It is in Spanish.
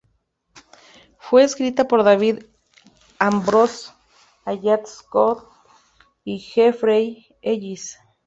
Fue escrita por David Ambrose, Allan Scott y Jeffrey Ellis.